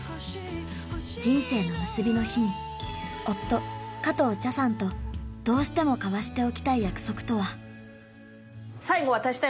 人生の結びの日に夫加藤茶さんとどうしても交わしておきたい約束とは何？